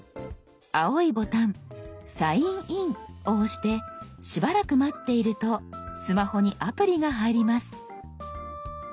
青いボタン「サインイン」を押してしばらく待っているとスマホにアプリが入ります。